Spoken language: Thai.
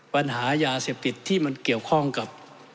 ปัญหายาเสพติดที่มันเกี่ยวข้องกับ